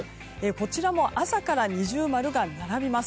こちらも朝から二重丸が並びます。